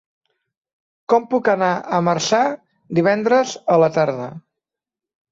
Com puc anar a Marçà divendres a la tarda?